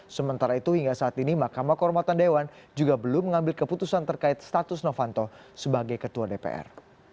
sementara itu hingga saat ini mahkamah kehormatan dewan juga belum mengambil keputusan terkait status novanto sebagai ketua dpr